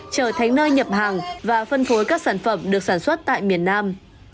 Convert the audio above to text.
chờ thánh nơi nhập hàng và phân phối các sản phẩm được sản xuất tại miền nam